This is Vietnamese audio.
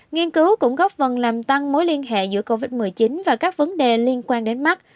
nghiên cứu cũng góp phần làm tăng mối liên hệ giữa covid một mươi chín và các vấn đề liên quan đến mắt